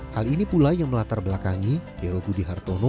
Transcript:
hal ini pula yang melatar belakangi hero budi hartono